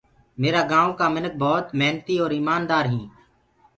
ميرآ گائونٚ ڪآ مِنک ڀوت مهنتي اور ايماندآر هينٚ